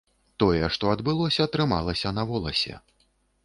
Тое, што адбылося, трымалася на воласе.